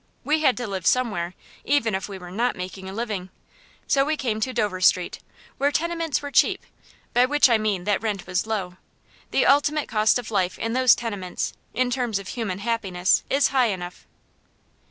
We had to live somewhere, even if we were not making a living, so we came to Dover Street, where tenements were cheap; by which I mean that rent was low. The ultimate cost of life in those tenements, in terms of human happiness, is high enough.